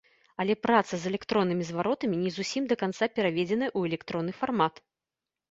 Але праца з электроннымі зваротамі не зусім да канца пераведзеная ў электронны фармат.